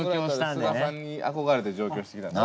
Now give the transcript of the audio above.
スガさんに憧れて上京してきたんで。